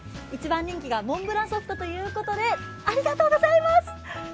一番人気がモンブランソフトということで、ありがとうございます。